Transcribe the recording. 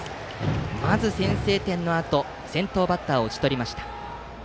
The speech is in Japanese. まず先制点のあと先頭バッターを打ち取りました。